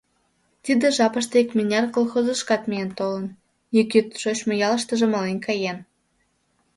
Тиде жапыште икмыняр колхозышкат миен толын, ик йӱд шочмо ялыштыже мален каен.